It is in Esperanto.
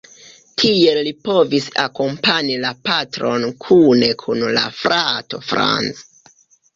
Tiel li povis akompani la patron kune kun la frato Franz.